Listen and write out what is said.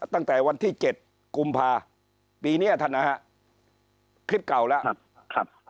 ตั้งแต่วันที่เจ็ดกุมภาคมปีเนี้ยธนาคมคลิปเก่าแล้วครับครับ